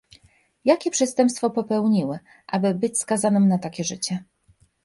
Jakie przestępstwo popełniły, aby być skazanym na takie życie?